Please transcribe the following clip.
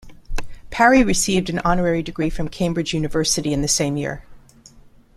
Parry received an honorary degree from Cambridge University in the same year.